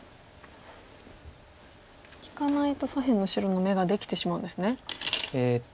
利かないと左辺の白の眼ができてしまうんですね。